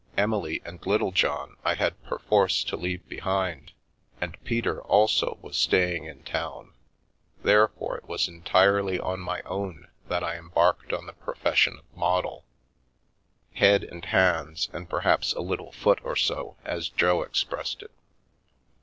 Emily and Little John I had perforce to leave behind, and Peter also was staying in town, therefore it was entirely on my own that I embarked on the profession of model —" head and hands, and perhaps a little foot or so," as Jo expressed it.